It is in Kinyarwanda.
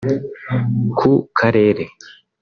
ku karere